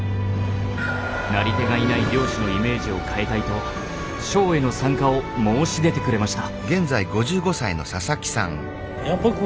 なり手がいない漁師のイメージを変えたいとショーへの参加を申し出てくれました。